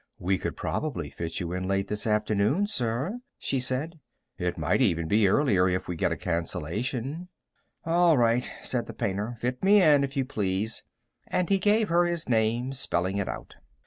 "We could probably fit you in late this afternoon, sir," she said. "It might even be earlier, if we get a cancellation." "All right," said the painter, "fit me in, if you please." And he gave her his name, spelling it out.